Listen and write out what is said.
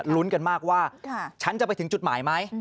ลุ้นกันมากว่าฉันจะไปถึงจุดหมายไหม